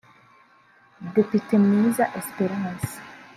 Depite Mwiza Esperence